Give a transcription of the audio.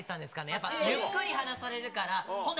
やっぱゆっくり話されるから、ほんで？